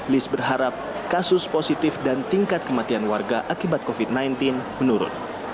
lis berharap kasus positif dan tingkat kematian warga akibat covid sembilan belas menurun